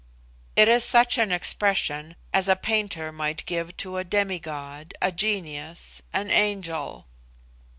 It is such an expression as a painter might give to a demi god, a genius, an angel.